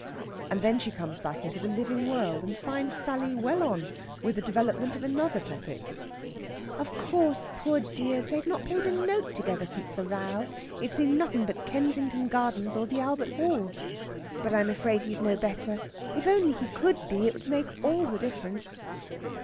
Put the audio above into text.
And then she comes back into the living world, and finds Sally well on with the development of another topic. "Of course, poor dears! They've not played a note together since the row. It's been nothing but Kensington Gardens or the Albert Hall. But I'm afraid he's no better. If only he could be, it would make all the difference."